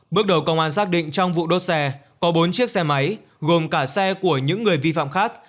bước đầu công an xác định trong vụ đốt xe có bốn chiếc xe máy gồm cả xe của những người vi phạm khác